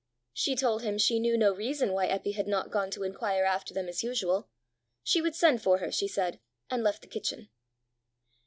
She told him she knew no reason why Eppy had not gone to inquire after them as usual: she would send for her, she said, and left the kitchen.